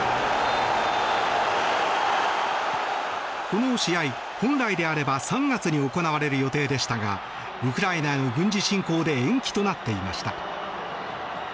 この試合、本来であれば３月に行われる予定でしたがウクライナへの軍事侵攻で延期となっていました。